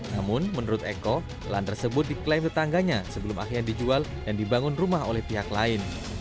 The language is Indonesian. namun menurut eko lahan tersebut diklaim tetangganya sebelum akhirnya dijual dan dibangun rumah oleh pihak lain